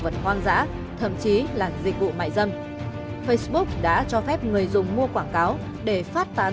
vật hoang dã thậm chí là dịch vụ mại dâm facebook đã cho phép người dùng mua quảng cáo để phát tán